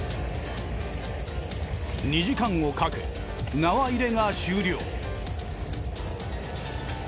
２時間をかけ縄入れが終了。